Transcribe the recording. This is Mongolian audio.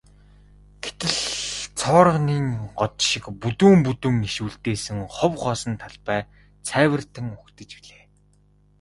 Гэтэл цооргонын год шиг бүдүүн бүдүүн иш үлдээсэн хов хоосон талбай цайвартан угтаж билээ.